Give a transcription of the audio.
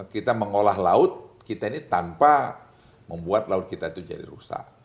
kita mengolah laut kita ini tanpa membuat laut kita itu jadi rusak